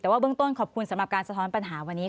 แต่ว่าเบื้องต้นขอบคุณสำหรับการสะท้อนปัญหาวันนี้